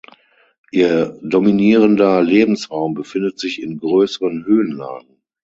Ihr dominierender Lebensraum befindet sich in größeren Höhenlagen.